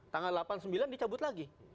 tanggal delapan sembilan dicabut lagi